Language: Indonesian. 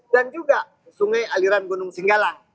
dan juga sungai aliran gunung singgalang